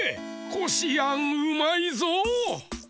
こしあんうまいぞ。